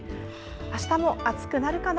あしたも暑くなるかな？